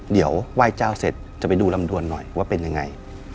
เดี๋ยวไหว้เจ้าเสร็จจะไปดูลำดวนหน่อยว่าเป็นยังไง